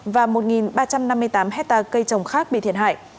và một ba trăm năm mươi tám hectare cây trồng khác bị thiệt hại